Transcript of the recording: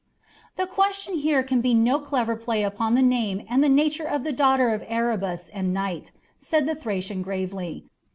"The question here can be no clever play upon the name and the nature of the daughter of Erebus and Night," said the Thracian gravely.